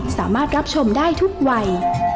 สามารถรับชมได้ทุกวัย